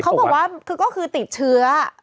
เขาบอกว่าคือก็คือติดเชื้อ